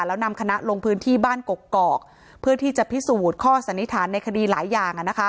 แล้วนำคณะลงพื้นที่บ้านกกอกเพื่อที่จะพิสูจน์ข้อสันนิษฐานในคดีหลายอย่าง